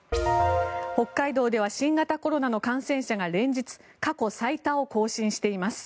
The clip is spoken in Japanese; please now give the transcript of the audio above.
北海道では新型コロナの感染者が連日、過去最多を更新しています。